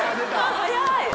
早い！